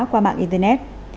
qua mạng internet